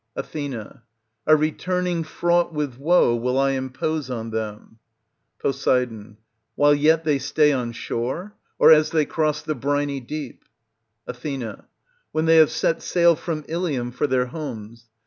Ath. a returning fraught with woe will I impose on them. Pos. While yet they stay on shore, or as they cross the briny deep ? Ath. When they have set sail from Ilium for their homes.